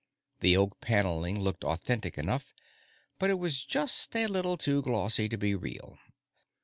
The oak panelling looked authentic enough, but it was just a little too glossy to be real.